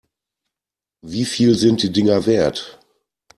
Wie viel sind die Dinger wert?